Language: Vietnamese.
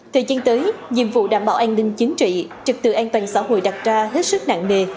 thời gian tới nhiệm vụ đảm bảo an ninh chính trị trực tự an toàn xã hội đặt ra hết sức nặng nề